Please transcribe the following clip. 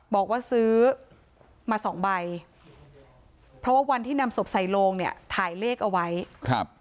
บอกว่าซื้อมาสองใบเพราะว่าวันที่นำศพใส่โลงเนี่ยถ่ายเลขเอาไว้ครับ